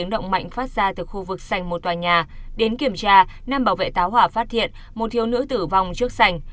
động mạnh phát ra từ khu vực sành một tòa nhà đến kiểm tra nam bảo vệ táo hỏa phát hiện một thiếu nữ tử vong trước sành